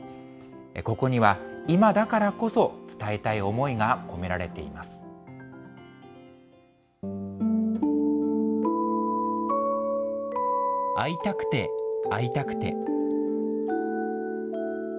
ここには今だからこそ伝えたい思いが込められています。